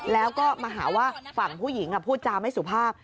แล้วก็มาหาว่าฝั่งผู้หญิงพูดจาไม่สุภาพ